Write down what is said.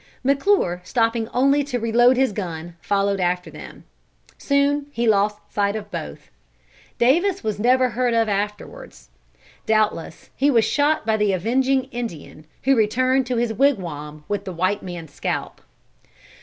McClure, stopping only to reload his gun, followed after them. Soon he lost sight of both. Davis was never heard of afterwards. Doubtless he was shot by the avenging Indian, who returned to his wigwam with the white man's scalp.